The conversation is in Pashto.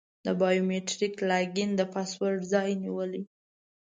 د بایو میتریک لاګین د پاسورډ ځای نیولی.